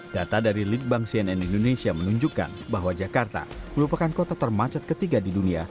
data dari litbang cnn indonesia menunjukkan bahwa jakarta merupakan kota termacet ketiga di dunia